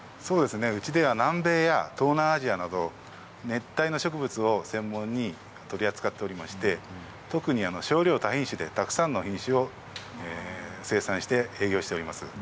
うちでは南米や東南アジアなど熱帯植物を専門に取り扱っておりまして特に、少量多品種でたくさんの品種を生産して営業しています。